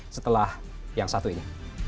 setelah yang satu ini